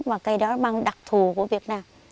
và cây đó mang đặc thù của việt nam